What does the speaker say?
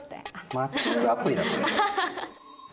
マッチングアプリだそれ。